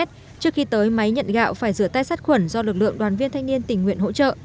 trước khi tới máy nhận gạo phải rửa tay sát khuẩn do lực lượng đoàn viên thanh niên tình nguyện hỗ trợ